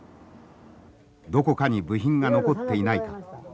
どこかに部品が残っていないか。